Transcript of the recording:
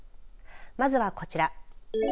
まずはこちら。